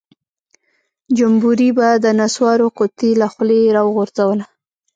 جمبوري به د نسوارو قطۍ له خولۍ راوغورځوله.